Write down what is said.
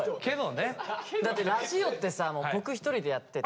だってラジオってさ僕一人でやってて。